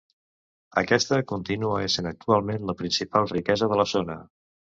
Aquesta continua essent actualment la principal riquesa de la zona.